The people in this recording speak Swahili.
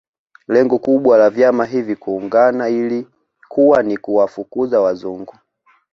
Lengo kubwa la vyama hivi kuungana ilikuwa ni kuwafukuza Wazungu